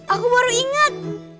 aku baru inget